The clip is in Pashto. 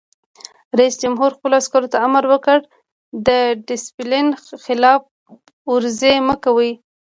رئیس جمهور خپلو عسکرو ته امر وکړ؛ د ډسپلین خلاف ورزي مه کوئ!